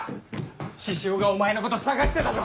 獅子王がお前のこと捜してたぞ！